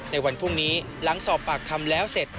ในวันพรุ่งนี้หลังสอบปากคำแล้วเสร็จ